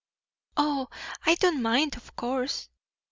"Oh, I don't mind, of course!"